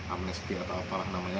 amnesti atau apalah namanya